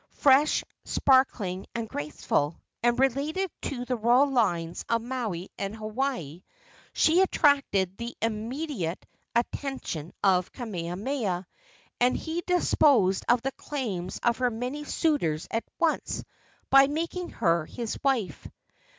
Fresh, sparkling and graceful, and related to the royal lines of Maui and Hawaii, she attracted the immediate attention of Kamehameha, and he disposed of the claims of her many suitors at once by making her his wife.